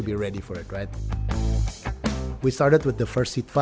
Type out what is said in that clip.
jadi kamu bisa melalui tapi kamu harus siap saja